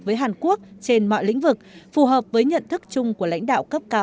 với hàn quốc trên mọi lĩnh vực phù hợp với nhận thức chung của lãnh đạo cấp cao